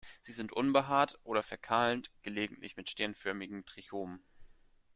Sie sind unbehaart oder verkahlend, gelegentlich mit sternförmigen Trichomen.